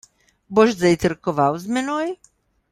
Boš zajtrkoval z menoj?